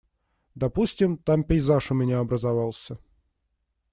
Допустим, там пейзаж у меня образовался.